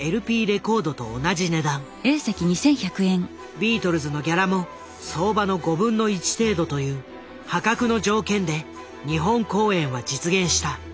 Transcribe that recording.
ビートルズのギャラも相場の程度という破格の条件で日本公演は実現した。